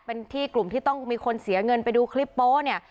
เป็นที่กลุ่มที่ต้องมีคนเสียเงินไปดูคลิปโป๊ะเนี่ย